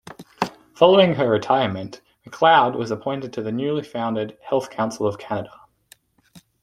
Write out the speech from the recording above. Following her retirement, McLeod was appointed to the newly founded Health Council of Canada.